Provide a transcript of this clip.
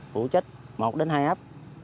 phụ trách một đến hai áp